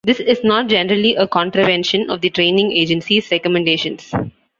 This is not generally a contravention of the training agencies' recommendations.